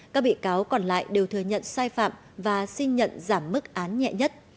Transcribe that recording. các bị cáo còn lại đều thừa nhận sai phạm và xin nhận giảm mức án nhẹ nhất